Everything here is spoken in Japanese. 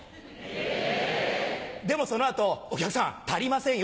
でもその後「お客さん足りませんよ」